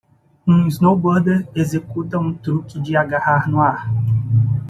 Um snowboarder executa um truque de agarrar no ar.